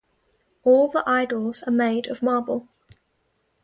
All the idols are made of marble.